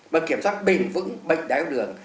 mà kiểm soát bền vững bệnh đáy thao đường